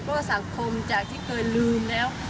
เพราะว่าสังคมจากที่เคยลืมแล้ว